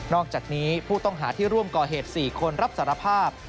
อกจากนี้ผู้ต้องหาที่ร่วมก่อเหตุ๔คนรับสารภาพ